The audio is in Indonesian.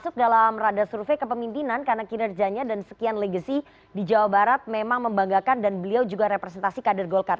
masuk dalam rada survei kepemimpinan karena kinerjanya dan sekian legacy di jawa barat memang membanggakan dan beliau juga representasi kader golkar